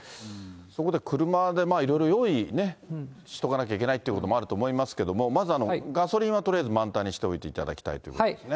そこで車でいろいろ用意ね、しとかなきゃいけないっていうこともあると思いますけども、まずガソリンはとりあえず満タンにしておいていただきたいということですね。